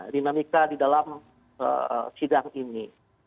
dinamika di dalam sidang ini